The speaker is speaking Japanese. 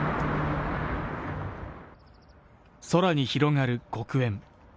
空に広がる黒煙。